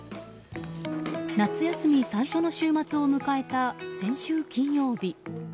夏休み最初の週末を迎えた先週金曜日。